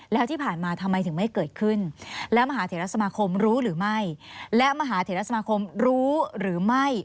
แล้วที่ผ่านมาทำไมถึงไม่เกิดขึ้นและมหาเทศรัฐสมาคมรู้หรือไม่